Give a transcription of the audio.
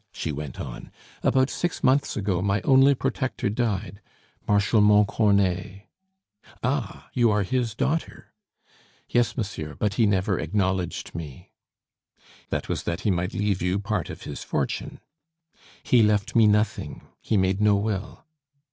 she went on. "About six months ago my only protector died, Marshal Montcornet " "Ah! You are his daughter?" "Yes, monsieur; but he never acknowledged me." "That was that he might leave you part of his fortune." "He left me nothing; he made no will."